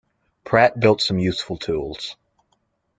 Pratt built some useful tools.